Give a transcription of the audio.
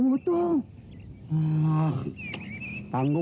gak bakal jadi satu